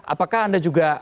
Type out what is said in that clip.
apakah anda juga menurut anda